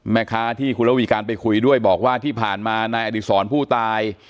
แม่ค้าที่คุณระวีการไปคุยด้วยบอกว่าที่ผ่านมานายอดีศรผู้ตาย